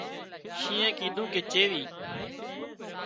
شينهنئي ڪيڌون ڪي چيوي